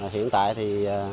hiện tại thì